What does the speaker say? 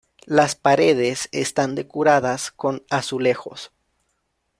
Las paredes están decoradas con azulejos.